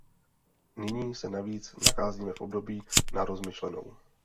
Nyní se navíc nacházíme v období na rozmyšlenou.